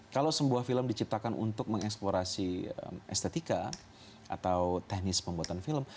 kalau sebuah film diciptakan untuk mengeksplorasi estetika atau teknis pembuatan film